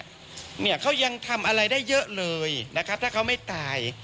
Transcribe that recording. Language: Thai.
เนี่ยเขายังทำอะไรได้เยอะเลยนะครับถ้าเขาไม่ตาย